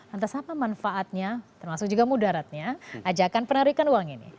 antas apa manfaatnya termasuk juga mudaratnya ajakan penarikan uang ini